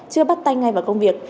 chưa bắt tay ngay vào công việc